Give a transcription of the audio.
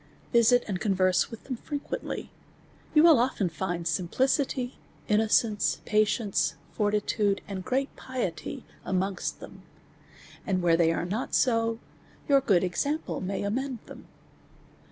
Visit and converse with them frequently ; you will often find simplicity, innocence, patience, fortitude, and great piety amongst them ; and where they are iiot so, your good example may amend them.